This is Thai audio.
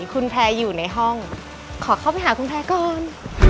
คุณแพร่อยู่ในห้องขอเข้าไปหาคุณแพร่ก่อน